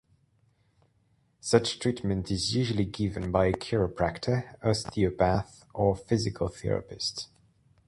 Such treatment is usually given by a chiropractor, osteopath or physical therapist.